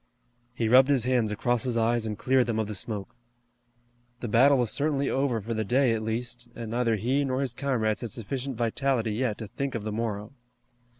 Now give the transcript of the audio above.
He rubbed his hands across his eyes and cleared them of the smoke. The battle was certainly over for the day at least, and neither he nor his comrades had sufficient vitality yet to think of the morrow.